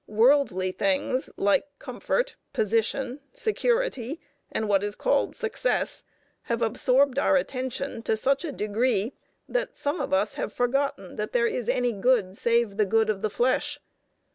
Worldly things, like comfort, position, security, and what is called success, have absorbed our attention to such a degree that some of us have forgotten that there is any good save the good of the flesh.